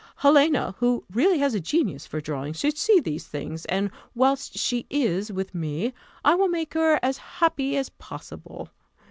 Helena, who really has a genius for drawing, should see these things; and whilst she is with me, I will make her as happy as possible.